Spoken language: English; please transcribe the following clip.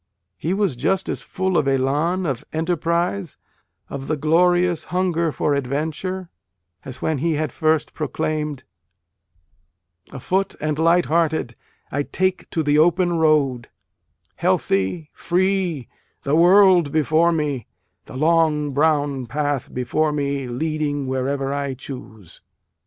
He was just as full of elan, of enterprise, of the glorious hunger for adventure, as when first he had proclaimed, A DAY WITH WALT WHITMAN. Afoot and light hearted, I take to the open road, Healthy, free, the world before me, The long brown path before me, leading wherever I choose.